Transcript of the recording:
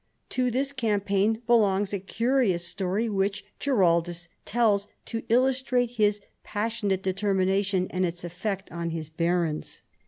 To this campaign belongs a curious story which Giraldus tells to illustrate his passionate determination and its effect on his barons.